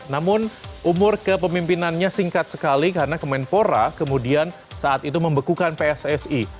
namun umur kepemimpinannya singkat sekali karena kemenpora kemudian saat itu membekukan pssi